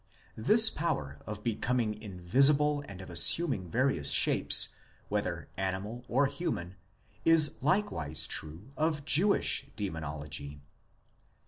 This power of becoming invisible and of assuming various shapes, whether animal or human, is likewise true of Jewish Demonology.